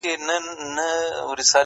د آدب لمرجهاني دی،